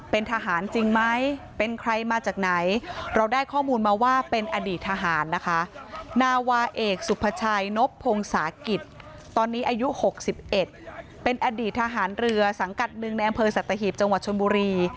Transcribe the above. ตอนนี้อายุ๖๑เป็นอดีตทหารเรือสังกัดหนึ่งในอำเภอสัตว์ตะหิบจังหวัดชนบุรี